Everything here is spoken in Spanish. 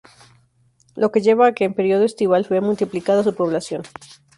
Lo que lleva a que en periodo estival, vea multiplicada su población.